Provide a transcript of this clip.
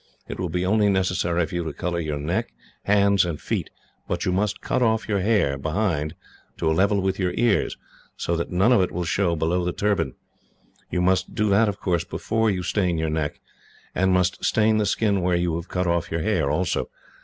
It will be only necessary for you to colour your neck, hands, and feet, but you must cut off your hair, behind, to a level with your ears, so that none of it will show below the turban. You must do that, of course, before you stain your neck, and must stain the skin where you have cut off your hair, also.